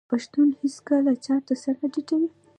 آیا پښتون هیڅکله چا ته سر نه ټیټوي؟